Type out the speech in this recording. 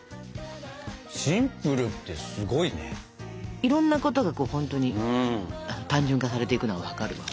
いろんなことがほんとに単純化されていくのが分かる。